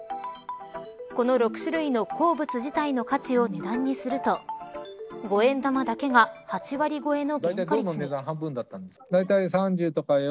この６種類の鉱物自体の価値を値段にすると５円玉だけが８割超えの原価率に。